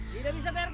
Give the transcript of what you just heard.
tidak bisa prt